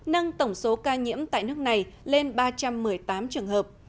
nâng tổng số ca nhiễm tại nước này lên ba trăm một mươi tám trường hợp